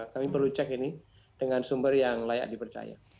kami perlu cek ini dengan sumber yang layak dipercaya